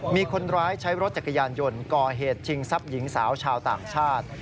มีคนร้ายใช้รถจักรยานยนต์ก่อเหตุชิงทรัพย์หญิงสาวชาวต่างชาติ